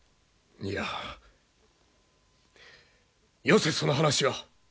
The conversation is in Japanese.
いやよせその話は。